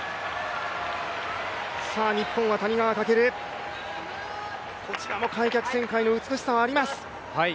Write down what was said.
日本は谷川翔、こちらも開脚旋回の美しさはあります。